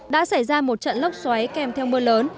đã xảy ra một trận lốc xoáy kèm theo mưa lớn